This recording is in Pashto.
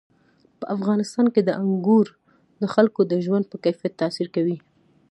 په افغانستان کې انګور د خلکو د ژوند په کیفیت تاثیر کوي.